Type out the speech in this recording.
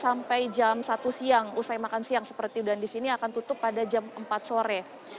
sebelas sampai jam satu siang usai makan siang seperti dan disini akan tutup pada jam empat sore